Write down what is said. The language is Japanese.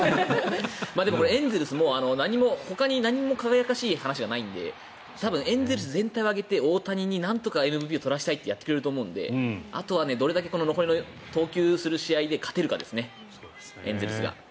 でも、エンゼルスもほかに何も輝かしい話がないので多分、エンゼルス全体を挙げて大谷になんとかＭＶＰを取らせたいってやってくれると思うんであとはどれだけ残りの投球する試合で勝てるかですねエンゼルスが。